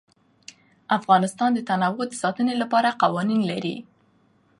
افغانستان د تنوع د ساتنې لپاره قوانین لري.